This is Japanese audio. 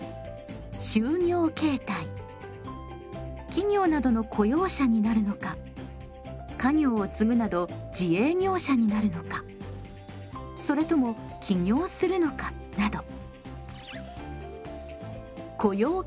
企業などの雇用者になるのか家業を継ぐなど自営業者になるのかそれとも起業するのかなど。